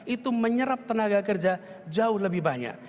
itu menyerap tenaga kerja jauh lebih banyak